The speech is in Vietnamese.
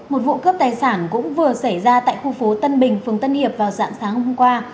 một vụ cướp tài sản cũng vừa xảy ra tại khu phố tân bình phường tân hiệp vào dạng sáng hôm qua